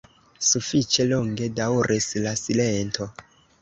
Sufiĉe longe daŭris la silento.